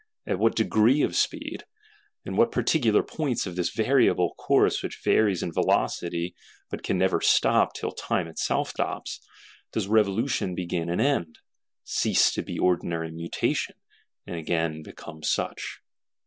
At what degree of speed; in what particular points of this variable course, which varies in velocity, but can never stop till Time itself stops, does revolution begin and end; cease to be ordinary mutation, and again become such?